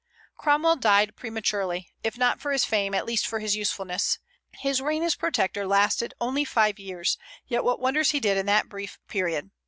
Cromwell died prematurely, if not for his fame, at least for his usefulness. His reign as Protector lasted only five years, yet what wonders he did in that brief period!